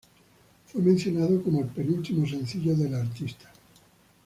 Fue mencionado como el penúltimo sencillo de la artista.